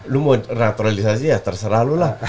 lu mau naturalisasi ya terserah lu lah